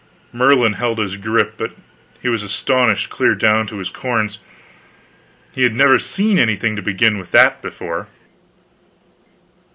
Merlin held his grip, but he was astonished clear down to his corns; he had never seen anything to begin with that, before.